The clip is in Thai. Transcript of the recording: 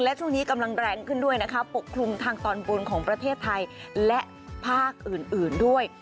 และช่วงนี้กำลังแรงขึ้นด้วยนะคะปกคลุมทางตอนบนของประเทศไทยและภาคอื่นด้วย